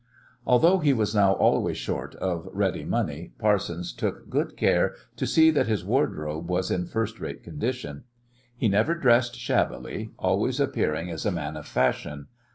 Although he was now always short of ready money, Parsons took good care to see that his wardrobe was in first rate condition. He never dressed shabbily, always appearing as a man of fashion.